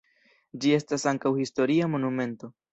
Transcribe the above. Ĝi estas ankaŭ historia monumento.